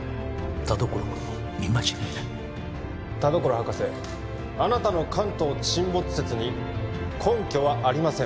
田所君の見間違いだ田所博士あなたの関東沈没説に根拠はありません